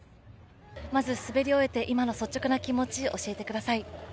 まず滑り終えて、今の率直な気持ち、教えてください。